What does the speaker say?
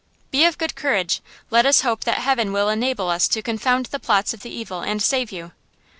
"Be of good courage. Let us hope that heaven will enable us to confound the plots of the evil, and save you!"